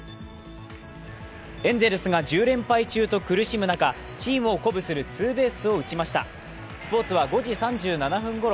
エンゼルスが１０連敗中と苦しむ中、チームを鼓舞するツーベースを打ちました。